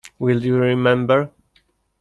Will You Remember?